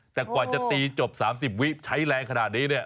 แต่กว่าจะตีจบ๓๐วินาทีใช้แรงขนาดนี้